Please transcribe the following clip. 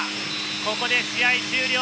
ここで試合終了。